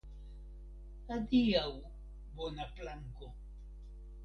Adiaŭ, bona planko!